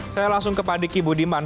saya langsung ke pak diki budiman